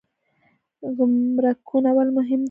ګمرکونه ولې مهم دي؟